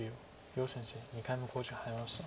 余先生２回目の考慮時間に入りました。